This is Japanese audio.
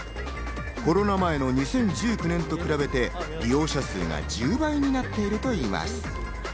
コロナ前の２０１９年と比べて、利用者数が１０倍になってるといいます。